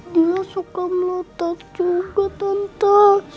dia suka melotot juga tante